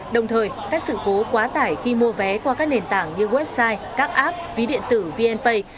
đồng thời các sự cố quá tải khi mua vé qua các nền tảng như website các app ví điện tử vnpay